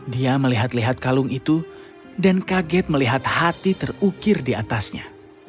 dia melihat lihat kalung itu dan kaget melihat hati terukir di atasnya